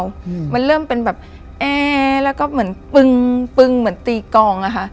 อืมมันเริ่มเป็นแบบแอแล้วก็เหมือนปึงปึงเหมือนตีกองอ่ะค่ะ